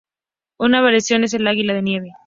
Una variación es el águila de nieve.